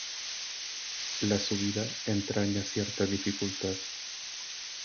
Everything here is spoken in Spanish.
La subida entraña cierta dificultad.